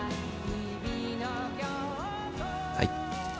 はい。